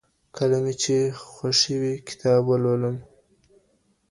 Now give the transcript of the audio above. کله مي چي خوښي وي کتاب لولم.